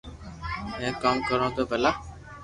ھي ڪاو ڪرو تو ڀلا